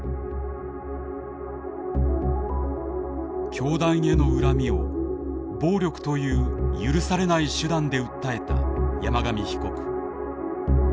教団への恨みを暴力という許されない手段で訴えた山上被告。